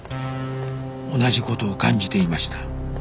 同じ事を感じていました